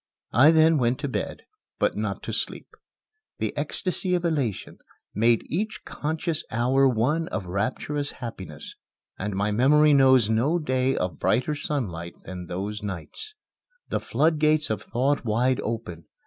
I then went to bed, but not to sleep. The ecstasy of elation made each conscious hour one of rapturous happiness, and my memory knows no day of brighter sunlight than those nights. The floodgates of thought wide open.